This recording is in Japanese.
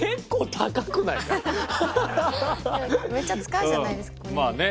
めっちゃ使うじゃないですか小ねぎ。